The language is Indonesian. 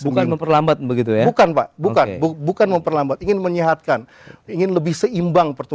bukan memperlambat begitu ya bukan pak bukan bukan bukan memperlambat ingin menyehatkan ingin lebih seimbang pertumbuhan